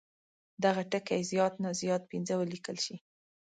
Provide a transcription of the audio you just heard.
دغه ټکي زیات نه زیات پنځه ولیکل شي.